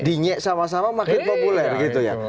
dingek sama sama makin populer gitu ya